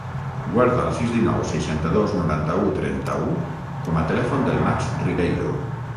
Guarda el sis, dinou, seixanta-dos, noranta-u, trenta-u com a telèfon del Max Ribeiro.